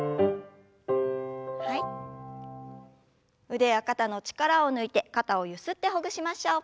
腕や肩の力を抜いて肩をゆすってほぐしましょう。